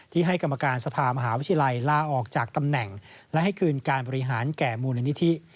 ให้กรรมการสภามหาวิทยาลัยลาออกจากตำแหน่งและให้คืนการบริหารแก่มูลนิธิ